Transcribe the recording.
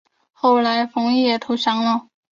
后来冯衍也投降了。